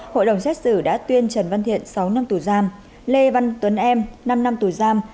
hội đồng xét xử đã tuyên trần văn thiện sáu năm tù giam lê văn tuấn em năm năm tù giam